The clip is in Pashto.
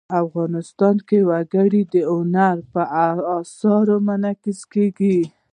افغانستان کې وګړي د هنر په اثار کې منعکس کېږي.